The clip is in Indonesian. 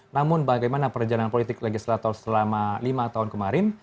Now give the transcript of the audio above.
namun bagaimana perjalanan politik legislator selama lima tahun kemarin